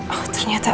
oh ternyata andi